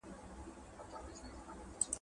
رنګګله